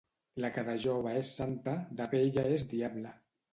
La que de jove és santa, de vella és diable.